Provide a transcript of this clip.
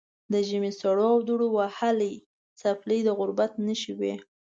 د ژمي سړو او دوړو وهلې څپلۍ د غربت نښې وې.